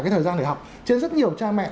cái thời gian để học trên rất nhiều cha mẹ